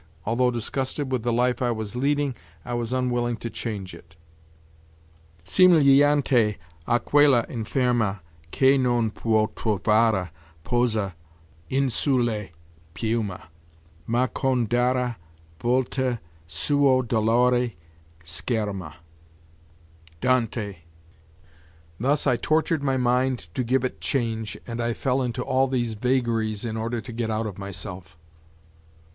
Although disgusted with the life I was leading I was unwilling to change it: Simigliante a quella 'nferma Che non puo trovar posa in su le piume, Ma con dar volta suo dolore scherma. DANTE. Thus I tortured my mind to give it change and I fell into all these vagaries in order to get out of myself.